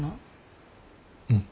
うん。